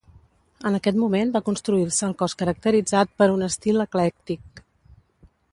En aquest moment va construir-se el cos caracteritzat per un estil eclèctic.